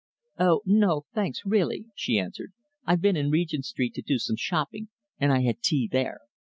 "Oh, no, thanks, really," she answered. "I've been in Regent Street to do some shopping, and I had tea there.